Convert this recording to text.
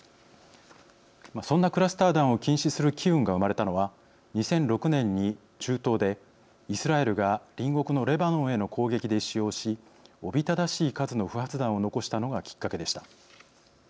そんなクラスター弾を禁止する機運が生まれたのは２００６年に中東でイスラエルが隣国のレバノンへの攻撃で使用しおびただしい数の不発弾を残したのがきっかけでした。